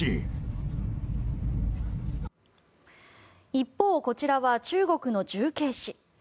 一方、こちらは中国の重慶市。